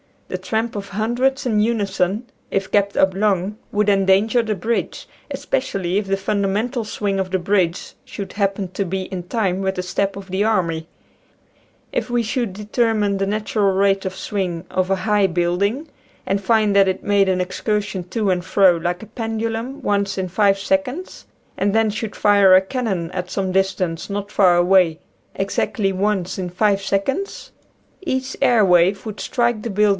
The tramp of hundreds in unison if kept up long would endanger the bridge, especially if the fundamental swing of the bridge should happen to be in time with the step of the army. If we should determine the natural rate of swing of a high building and find that it made an excursion to and fro like a pendulum once in five sec onds, and then should fire a cannon at some distance not far away exactly once in five seconds, each air wave would strike the build (~~|, Original from :{<~ UNIVERSITY OF WISCONSIN SounD^Ssmpatbg.